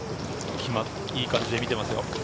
いい感じで見てますよ。